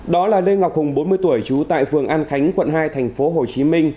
đó là lê ngọc hùng bốn mươi tuổi trú tại phường an khánh quận hai tp hcm